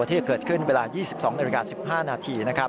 ที่จะเกิดขึ้นเวลา๒๒นาฬิกา๑๕นาทีนะครับ